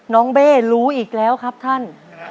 น้องเบร์รู้อีกแล้วครับท่าน